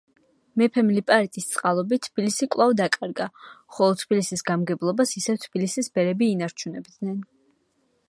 მეფემ ლიპარიტის წყალობით თბილისი კვლავ დაკარგა, ხოლო თბილისის გამგებლობას ისევ თბილისის ბერები ინარჩუნებდნენ.